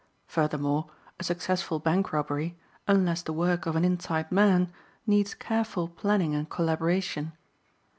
Furthermore, a successful bank robbery, unless the work of an inside man, needs careful planning and collaboration.